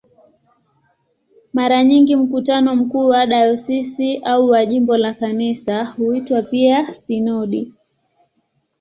Mara nyingi mkutano mkuu wa dayosisi au wa jimbo la Kanisa huitwa pia "sinodi".